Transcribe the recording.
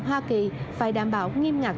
hoa kỳ phải đảm bảo nghiêm ngặt